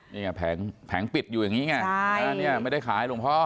นี่ไงแผงแผงปิดอยู่อย่างงี้ไงใช่อันนี้ไม่ได้ขายหลวงพ่อ